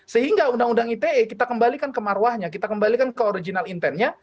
sehingga undang undang ite kita kembalikan ke marwahnya kita kembalikan ke original intentnya